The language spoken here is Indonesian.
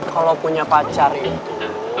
kalo punya pacar itu